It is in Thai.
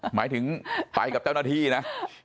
หมายถึงไปกับเจ้าหน้าที่นะ